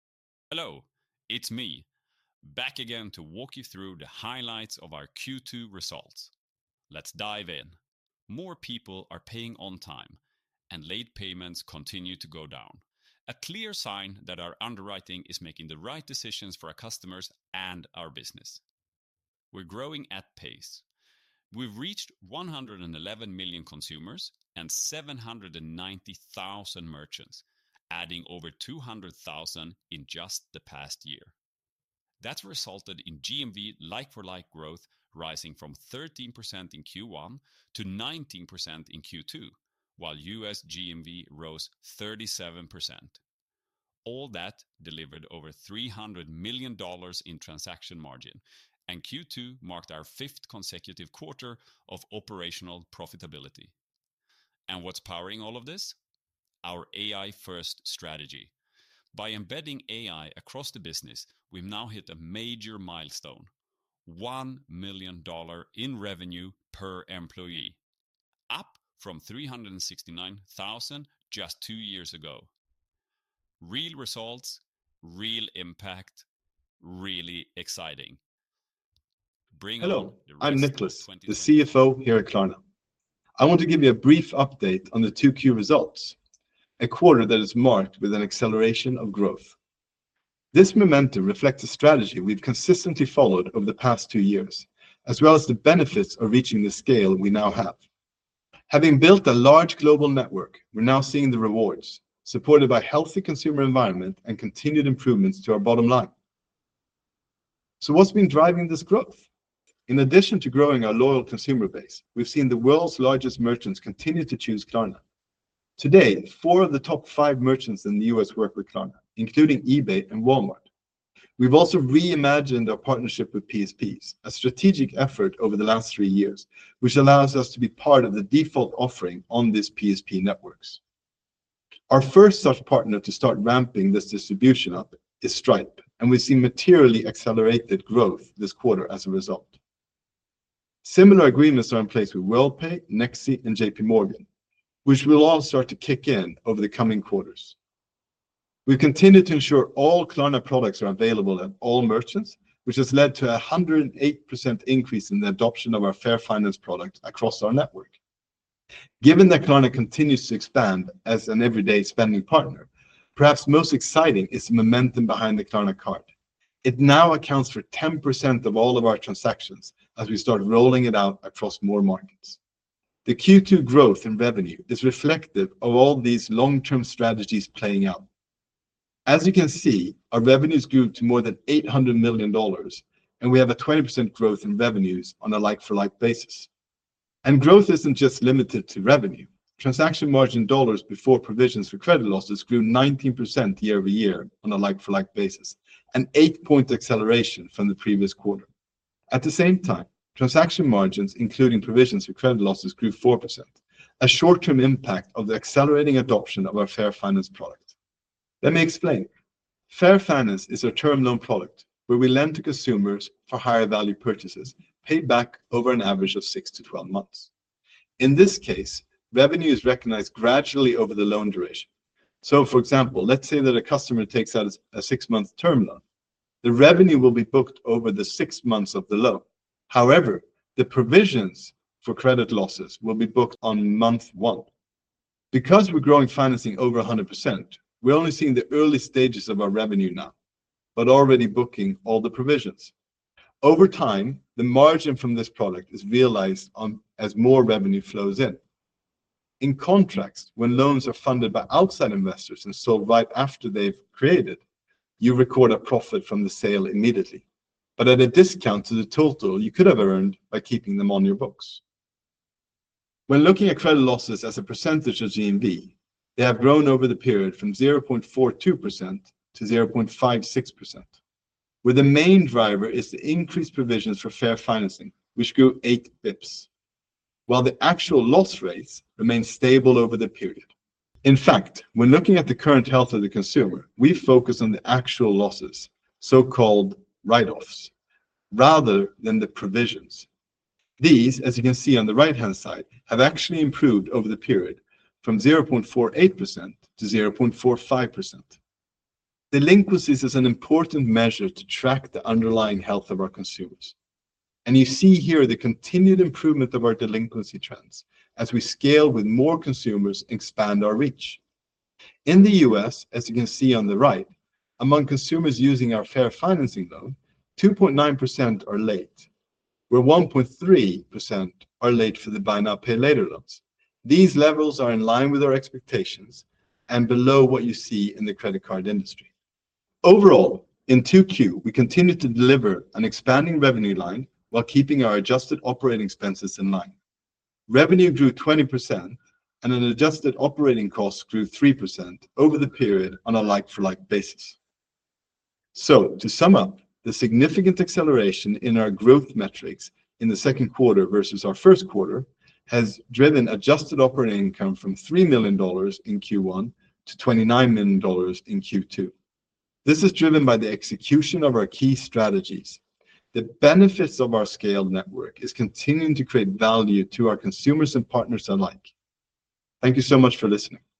Hello, it's me, back again to walk you through the highlights of our Q2 results. Let's dive in. More people are paying on time, and late payments continue to go down. A clear sign that our underwriting is making the right decisions for our customers and our business. We're growing at pace. We've reached 111 million consumers and 790,000 merchants, adding over 200,000 in just the past year. That's resulted in GMV like-for-like growth rising from 13% in Q1 to 19% in Q2, while U.S. GMV rose 37%. All that delivered over $300 million in transaction margin, and Q2 marked our fifth consecutive quarter of operational profitability. And what's powering all of this? Our AI-first strategy. By embedding AI across the business, we've now hit a major milestone: $1 million in revenue per employee, up from $369,000 just two years ago. Real results, real impact, really exciting. Bring on the reverse. Hello, I'm Niclas, the CFO here at Klarna. I want to give you a brief update on the 2Q results, a quarter that is marked with an acceleration of growth. This momentum reflects a strategy we've consistently followed over the past two years, as well as the benefits of reaching the scale we now have. Having built a large global network, we're now seeing the rewards, supported by a healthy consumer environment and continued improvements to our bottom line. So what's been driving this growth? In addition to growing our loyal consumer base, we've seen the world's largest merchants continue to choose Klarna. Today, four of the top five merchants in the U.S. work with Klarna, including eBay and Walmart. We've also reimagined our partnership with PSPs, a strategic effort over the last three years, which allows us to be part of the default offering on these PSP networks. Our first such partner to start ramping this distribution up is Stripe, and we've seen materially accelerated growth this quarter as a result. Similar agreements are in place with Worldpay, Nexi, and JPMorgan, which will all start to kick in over the coming quarters. We continue to ensure all Klarna products are available at all merchants, which has led to a 108% increase in the adoption of our Fair Finance product across our network. Given that Klarna continues to expand as an everyday spending partner, perhaps most exciting is the momentum behind the Klarna Card. It now accounts for 10% of all of our transactions as we start rolling it out across more markets. The Q2 growth in revenue is reflective of all these long-term strategies playing out. As you can see, our revenues grew to more than $800 million, and we have a 20% growth in revenues on a like-for-like basis. And growth isn't just limited to revenue. Transaction margin dollars before provisions for credit losses grew 19% year-over-year on a like-for-like basis, an eight-point acceleration from the previous quarter. At the same time, transaction margins, including provisions for credit losses, grew 4%, a short-term impact of the accelerating adoption of our Fair Finance product. Let me explain. Fair Finance is a term loan product where we lend to consumers for higher value purchases, paid back over an average of 6-12 months. In this case, revenue is recognized gradually over the loan duration. So, for example, let's say that a customer takes out a six-month term loan. The revenue will be booked over the six months of the loan. However, the provisions for credit losses will be booked on month one. Because we're growing financing over 100%, we're only seeing the early stages of our revenue now, but already booking all the provisions. Over time, the margin from this product is realized as more revenue flows in. In contrast, when loans are funded by outside investors and sold right after they've created, you record a profit from the sale immediately, but at a discount to the total you could have earned by keeping them on your books. When looking at credit losses as a percentage of GMV, they have grown over the period from 0.42%-0.56%, where the main driver is the increased provisions for Fair Finance, which grew eight bps, while the actual loss rates remain stable over the period. In fact, when looking at the current health of the consumer, we focus on the actual losses, so-called write-offs, rather than the provisions. These, as you can see on the right-hand side, have actually improved over the period from 0.48%-0.45%. Delinquencies are an important measure to track the underlying health of our consumers. And you see here the continued improvement of our delinquency trends as we scale with more consumers and expand our reach. In the U.S., as you can see on the right, among consumers using our Fair Finance loan, 2.9% are late, where 1.3% are late for the buy-now-pay-later loans. These levels are in line with our expectations and below what you see in the credit card industry. Overall, in 2Q, we continued to deliver an expanding revenue line while keeping our adjusted operating expenses in line. Revenue grew 20%, and an adjusted operating cost grew 3% over the period on a like-for-like basis. So, to sum up, the significant acceleration in our growth metrics in the second quarter versus our first quarter has driven adjusted operating income from $3 million in Q1 to $29 million in Q2. This is driven by the execution of our key strategies. The benefits of our scaled network are continuing to create value to our consumers and partners alike. Thank you so much for listening.